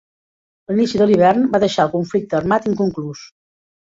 L'inici de l'hivern va deixar el conflicte armat inconclús